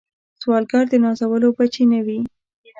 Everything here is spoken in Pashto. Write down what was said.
سوالګر د نازولو بچي نه وي